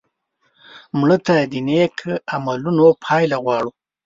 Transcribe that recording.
مړه ته د نیک عملونو پایله غواړو